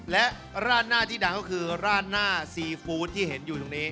และราดหน้าที่ดังก็คือราดหน้าซีฟู้ดที่เห็นอยู่ตรงนี้